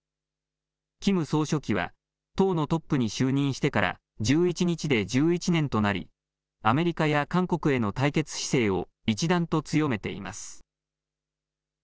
キム総書記は党のトップに就任してから１１日で１１年となりアメリカや韓国への対決姿勢を一段と強めています。